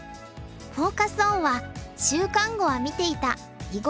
フォーカス・オンは「『週刊碁』は見ていた囲碁ニュース史」。